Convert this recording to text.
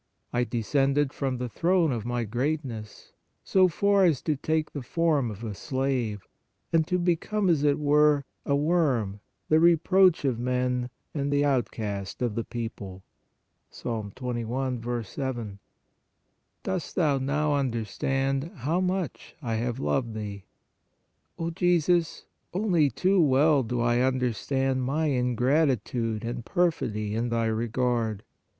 I descended from the throne of My great ness, so far as to take the form of a slave, and to become, as it were, a worm, the reproach of men and the outcast of the people (Ps. 21. 7). Dost thou now understand how much I have loved thee ?" O Jesus, only too w T ell do I understand my in gratitude and perfidy in Thy regard.